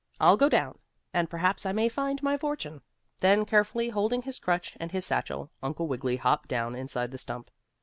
I'll go down, and perhaps I may find my fortune." Then, carefully holding his crutch and his satchel, Uncle Wiggily hopped down inside the stump.